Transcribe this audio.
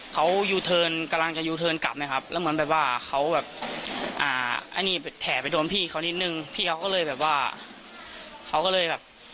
เขาก็ขี่ตามพอขี่ตามมาเรื่อย